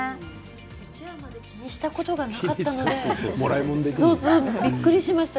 うちわまで気にしたことがなかったからびっくりしました。